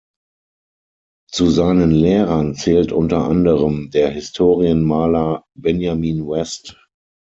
Zu seinen Lehrern zählt unter anderem der Historienmaler Benjamin West.